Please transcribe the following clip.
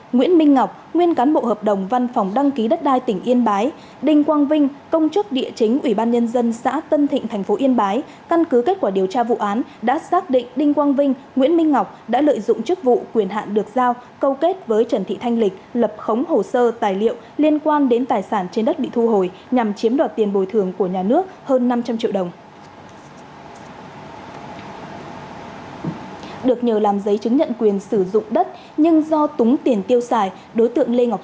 nguyễn minh ngọc nguyên cán bộ hợp đồng văn phòng đăng ký đất đai tỉnh yên bái đình quang vinh công chức địa chính ủy ban nhân dân xã tân thịnh tp yên bái căn cứ kết quả điều tra vụ án đã xác định đình quang vinh nguyễn minh ngọc đã lợi dụng chức vụ quyền hạn được giao câu kết với trần thị thanh lịch lập khống hồ sơ tài liệu liên quan đến tài sản trên đất bị thu hồi nhằm chiếm đoạt tiền bồi thường của nhà nước hơn năm trăm linh triệu đồng